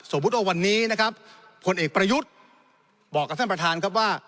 สมมุติว่าวันนี้นะครับผลเอกประยุทธ์บอกกับท่านประธานครับว่า